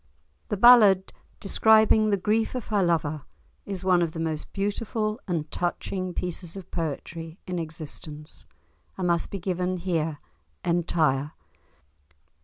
The ballad describing the grief of her lover is one of the most beautiful and touching pieces of poetry in existence, and must be given here entire.